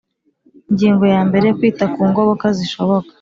Ingingo ya mbere Kwita ku ngoboka zishoboka